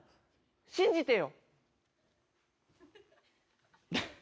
信じてよ。